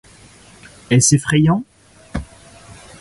Est-ce effrayant ?